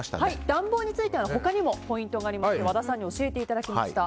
暖房については他にもポイントがありまして和田さんに教えていただきました。